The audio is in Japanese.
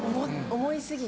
思い過ぎ